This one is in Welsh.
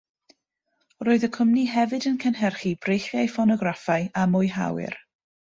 Roedd y cwmni hefyd yn cynhyrchu breichiau ffonograffau a mwyhawyr.